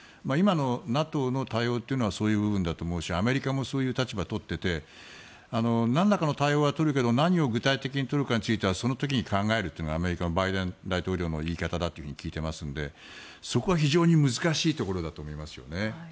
今のＮＡＴＯの対応はそういうふうだと思うしアメリカもそういう立場をとっていて何らかの対応はとるけど何を具体的にとるのかはその時に考えるというのがアメリカのバイデン大統領の言い方だと聞いているので非常に難しいところだと思います。